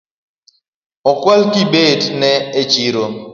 Okwal kibeti na e chiro